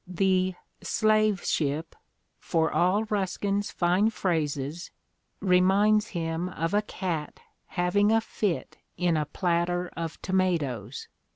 The "Slave Ship," for all Ruskin's fine I phrases, reminds him of a cat having a fit in a platter ' of tomatoes.